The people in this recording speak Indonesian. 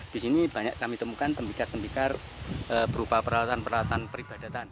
di sini banyak kami temukan tembikar tembikar berupa peralatan peralatan peribadatan